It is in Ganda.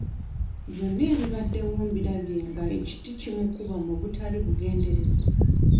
Byonna ebibaddewo mbirabye nga ekiti kimukuba mu butali bugenderevu.